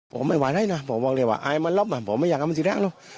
ผมไม่เว้ยอ้าวนะผมบอกเลยว่าไอ้มันลับมาผมไม่อยากล้ามันสี่แล้ง